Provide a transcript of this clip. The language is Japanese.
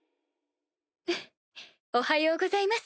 おはようございます